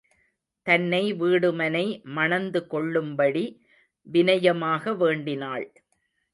தன்னை வீடுமனை மணந்து கொள்ளும்படி வினயமாக வேண்டினாள்.